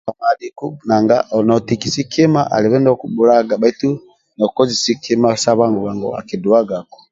Amadhiku nanga notikisi kima alibe ndia akibhulaga bhaitu nokozesi kima sa bwangu-bwangu akiduwagaku